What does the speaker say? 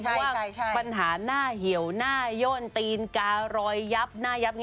เพราะว่าปัญหาหน้าเหี่ยวหน้าโย่นตีนการอยยับหน้ายับ